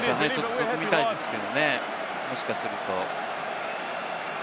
そこみたいですけれどもね、もしかすると。